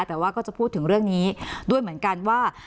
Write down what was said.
แต่ว่าก็จะพูดถึงเรื่องนี้ด้วยเหมือนกันว่า